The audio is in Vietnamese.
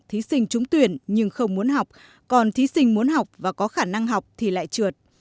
thí sinh trúng tuyển nhưng không muốn học còn thí sinh muốn học và có khả năng học thì lại trượt